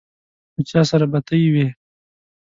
له چا سره بتۍ وې.